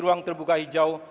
ruang terbuka hijau